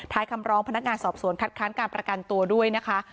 คำร้องพนักงานสอบสวนคัดค้านการประกันตัวด้วยนะคะ